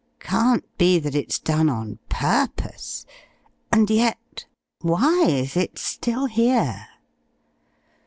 Can't be that it's done on purpose, and yet why is it still here?"